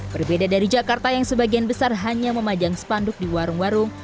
berbeda dari jakarta yang sebagian besar hanya memajang spanduk di warung warung